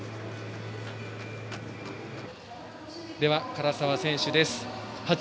柄澤選手です。